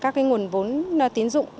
các nguồn vốn tín dụng